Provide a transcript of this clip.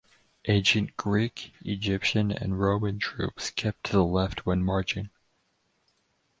Ancient Greek, Egyptian, and Roman troops kept to the left when marching.